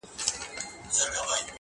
په پردیو اندیښنو کي دي ځان زوړکړ